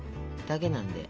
だけなんで。